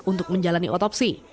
untuk menjalani otoplasma